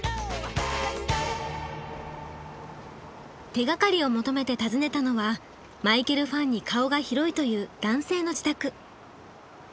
手がかりを求めて訪ねたのはマイケルファンに顔が広いという男性の自宅。